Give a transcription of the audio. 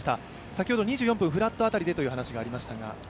先ほど２４分フラット辺りでという話がありましたが。